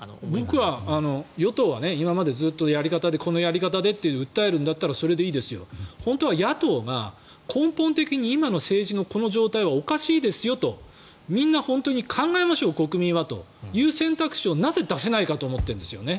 僕は、与党は今までずっとこのやり方でって訴えるんだったらそれでいいですよ。本当は野党が根本的に今の政治のこの状態はおかしいですよと。みんな本当に考えましょう国民はという選択肢をなぜ出せないのかと思ってるんですね。